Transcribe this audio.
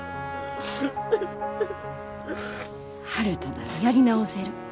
悠人ならやり直せる。